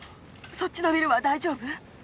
そっちのビルは大丈夫？